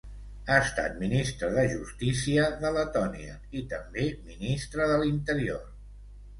Ha estat Ministre de Justícia de Letònia i també Ministre de l'Interior.